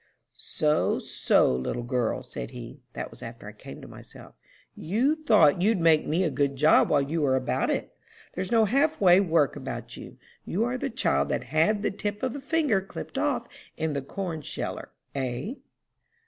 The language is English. "'So, so, little girl,' said he (that was after I came to myself), 'you thought you'd make me a good job while you were about it. There's no half way work about you. You are the child that had the tip of a finger clipped off in the corn sheller, hey?'"